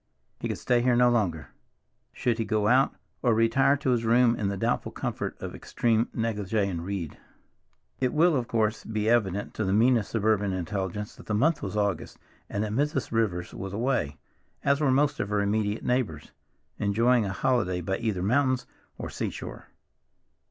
He could stay here no longer. Should he go out, or retire to his room in the doubtful comfort of extreme negligee, and read? It will, of course, be evident to the meanest suburban intelligence that the month was August, and that Mrs. Rivers was away, as were most of her immediate neighbors, enjoying a holiday by either mountains or seashore.